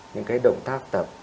những cái động tác tập